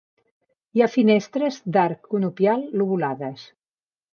Hi ha finestres d'arc conopial lobulades.